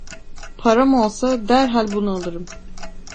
Param olsa derhal bunu alırım!